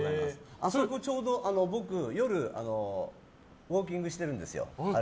ちょうど僕夜ウォーキングしてるんですよ。